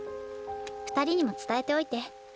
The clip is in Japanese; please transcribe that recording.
２人にも伝えておいて。